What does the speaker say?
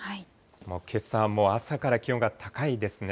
もうけさも、朝から気温が高いですね。